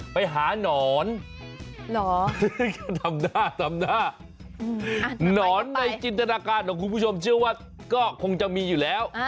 ไปหานอนทำหน้าทำหน้าหนอนในจินตนาการของคุณผู้ชมเชื่อว่าก็คงจะมีอยู่แล้ว